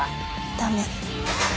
ダメ。